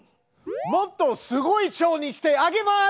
もっとすごいチョウにしてあげます！